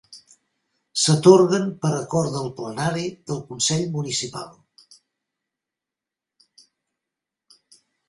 S’atorguen per acord del Plenari del Consell Municipal.